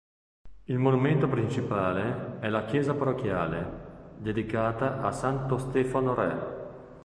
Il monumento principale è la chiesa parrocchiale, dedicata a Santo Stefano Re.